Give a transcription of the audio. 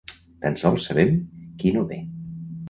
Tan sols sabem qui no ve.